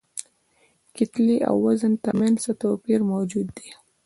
کتلې او وزن تر منځ څه توپیر موجود دی؟